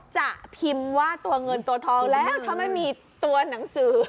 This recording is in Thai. จะพิมพ์ว่าตัวเงินตัวทองแล้วถ้าไม่มีตัวหนังสือ